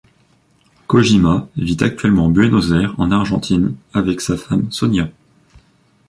Kojima vit actuellement Buenos Aires en Argentine, avec sa femme Sonia.